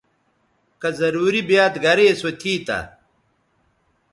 کہ ضروری بیاد گریسو تھی تہ